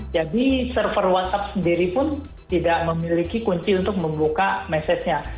jadi server whatsapp sendiri pun tidak memiliki kunci untuk membuka message nya